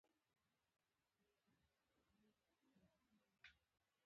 زه ژر راشم.